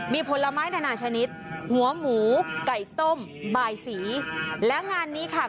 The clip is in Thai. มีผลไม้นานาชนิดหัวหมูไก่ต้มบายสีแล้วงานนี้ค่ะ